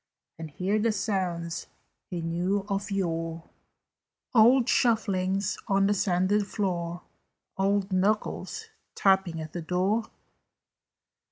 "] "And hear the sounds he knew of yore, Old shufflings on the sanded floor, Old knuckles tapping at the door?